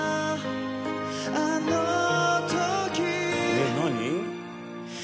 えっ何？